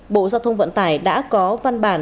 bộ giao thông vận tải đã có văn bản